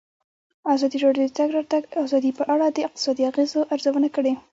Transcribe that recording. ازادي راډیو د د تګ راتګ ازادي په اړه د اقتصادي اغېزو ارزونه کړې.